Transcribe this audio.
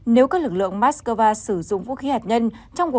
nếu các lực lượng moscow sử dụng vũ khí hạt nhân